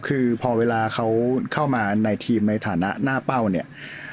คือพอเวลาเขาเข้ามาในทีมในฐานะหน้าเป้าเนี่ย